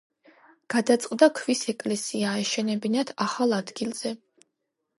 გადაწყდა ქვის ეკლესია აეშენებინათ ახალ ადგილზე.